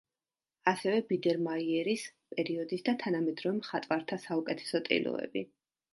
ასევე, „ბიდერმაიერის“ პერიოდის და თანამედროვე მხატვართა საუკეთესო ტილოები.